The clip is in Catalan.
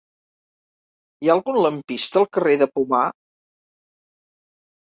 Hi ha algun lampista al carrer de Pomar?